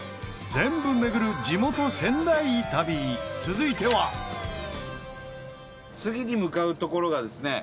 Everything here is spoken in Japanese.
全部巡る、地元・仙台旅続いては伊達：次に向かう所がですね